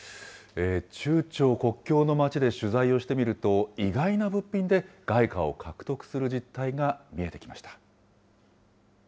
中朝国境のまちで取材をしてみると、意外な物品で外貨を獲得する実態が見えてきました。